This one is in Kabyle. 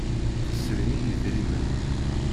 Tesrim i yedrimen.